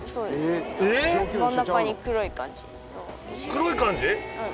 黒い感じ？